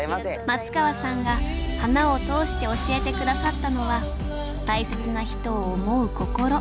松川さんが花を通して教えて下さったのは大切な人を思う心。